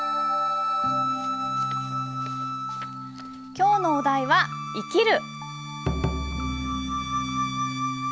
今日のお題は「生きる」。